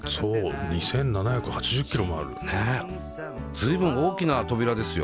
随分大きな扉ですよ。